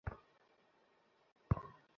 আমায় দেখে আশ্চর্য হলে?